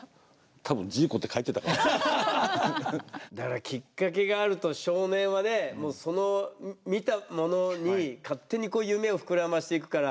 だからきっかけがあると少年はねもうその見たものに勝手にこう夢を膨らませていくから。